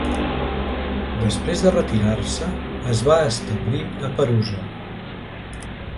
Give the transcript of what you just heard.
Després de retirar-se es va establir a Perusa.